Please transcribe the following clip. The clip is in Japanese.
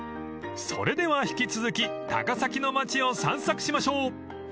［それでは引き続き高崎の街を散策しましょう］